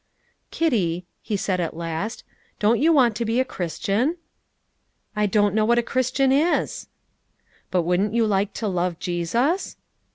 "Kitty," he said at last, "don't you want to be a Christian?" "I don't know what a Christian is." "But wouldn't you like to love Jesus?"